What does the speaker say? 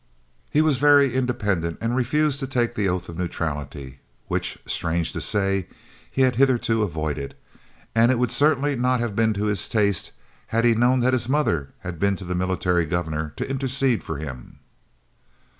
He was very independent and refused to take the oath of neutrality, which, strange to say, he had hitherto avoided, and it would certainly not have been to his taste had he known that his mother had been to the Military Governor to intercede for him.